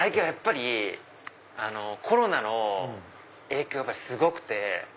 やっぱりコロナの影響がすごくて。